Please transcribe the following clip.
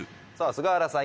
菅原さん